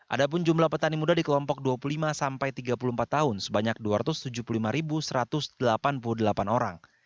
ada pun jumlah petani muda di kelompok dua puluh lima sampai tiga puluh empat tahun sebanyak dua ratus tujuh puluh lima satu ratus delapan puluh delapan orang